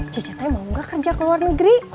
cicitanya mau gak kerja ke luar negeri